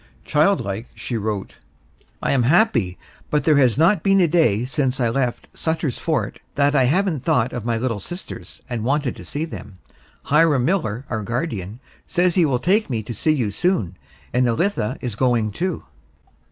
Childlike, she wrote: I am happy, but there has not been a day since I left Sutter's Fort that I haven't thought of my little sisters and wanted to see them. Hiram Miller, our guardian, says he will take me to see you soon, and Elitha is going too.